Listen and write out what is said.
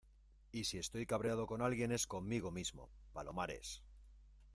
y si estoy cabreado con alguien es conmigo mismo, Palomares.